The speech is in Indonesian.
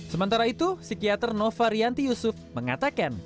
sementara itu psikiater nova rianti yusuf mengatakan